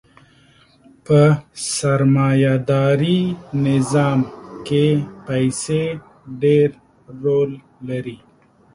په سرمایه داري نظام کښې پیسې ډېر رول لري.